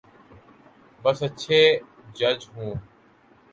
بس اچھے جج ہوں۔